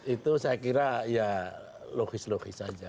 itu saya kira ya logis logis saja